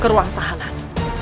ke ruang tahanan